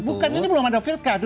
bukan ini belum ada pilkada